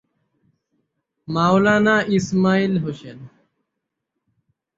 Maulana Ismail Hossain.